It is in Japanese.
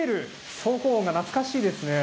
走行音が懐かしいですね。